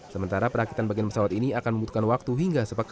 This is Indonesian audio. sementara perakitan bagian pesawat ini akan membutuhkan waktu hingga sepakat